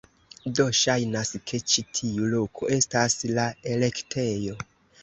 Do, ŝajnas ke ĉi tiu loko estas la elektejo